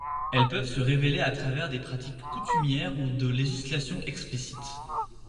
Elles peuvent se révéler à travers des pratiques coutumières ou de législations explicites.